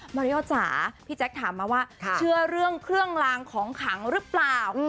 มาริโอจ๋าพี่แจ๊คถามมาว่าเชื่อเรื่องเครื่องลางของขังหรือเปล่า